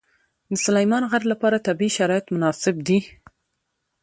د سلیمان غر لپاره طبیعي شرایط مناسب دي.